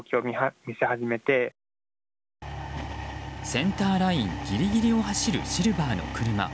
センターラインギリギリを走るシルバーの車。